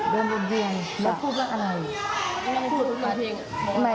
เดินวนเวียนแล้วพูดเรื่องอะไร